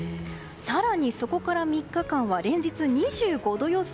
更にそこから３日間は連日、２５度予想。